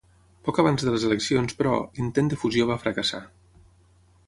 Poc abans de les eleccions, però, l'intent de fusió va fracassar.